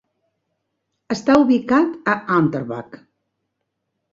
Està ubicat a Unterbach.